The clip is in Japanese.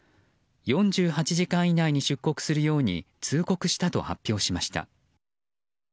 ４８時間以内に出国するように通告したと発表しました。